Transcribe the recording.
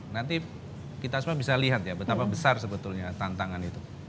nanti kita semua bisa lihat ya betapa besar sebetulnya tantangan itu